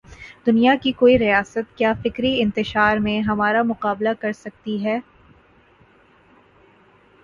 دنیا کی کوئی ریاست کیا فکری انتشار میں ہمارا مقابلہ کر سکتی ہے؟